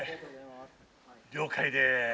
了解です。